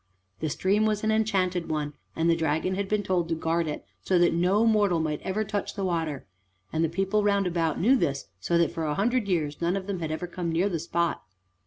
The stream was an enchanted one, and the dragon had been told to guard it so that no mortal might ever touch the water, and the people round about knew this, so that for a hundred years none of them had ever come near the spot.